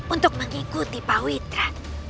untuk mengikuti pak witra